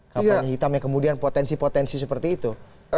kampanye hitam yang kemudian potensi potensi seperti itu